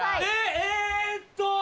えっと。